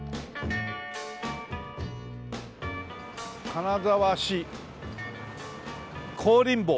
「金沢市香林坊」